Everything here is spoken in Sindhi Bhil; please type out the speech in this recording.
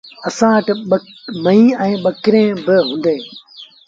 اَسآݩ وٽ ميݩوهيݩ ٻڪريݩ با هُݩديٚݩ۔